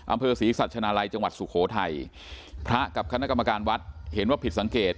อำเภอศรีสัชนาลัยจังหวัดสุโขทัยพระกับคณะกรรมการวัดเห็นว่าผิดสังเกต